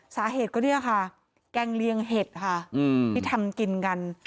สาเหตุก็เนี่ยค่ะแกงเลียงเห็ดค่ะที่ทำกินกัน